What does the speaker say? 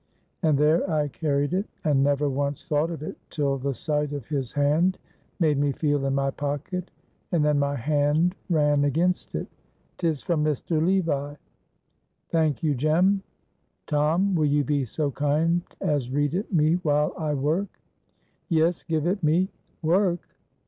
And there I carried it and never once thought of it till the sight of his hand made me feel in my pocket, and then my hand ran against it. 'Tis from Mr. Levi." "Thank you, Jem. Tom, will you be so kind as read it me while I work?" "Yes, give it me. Work?